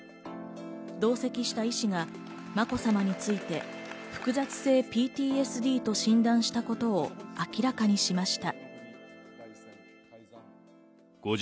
同席した医師がまこさまについて複雑性ＰＴＳＤと診断したことを明らかにしました。